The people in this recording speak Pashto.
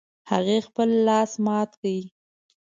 هغې خپل لاس مات کړ